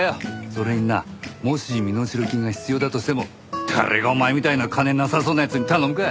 それになもし身代金が必要だとしても誰がお前みたいな金なさそうな奴に頼むか！